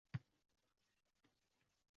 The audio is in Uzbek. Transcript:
Bir suhbatda she’r yoza olgan.